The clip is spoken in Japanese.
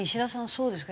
そうですか？